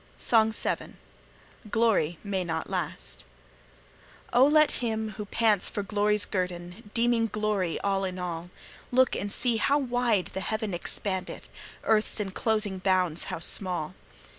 SONG VII. GLORY MAY NOT LAST. Oh, let him, who pants for glory's guerdon, Deeming glory all in all, Look and see how wide the heaven expandeth, Earth's enclosing bounds how small!